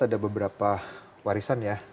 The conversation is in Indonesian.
ada beberapa warisan ya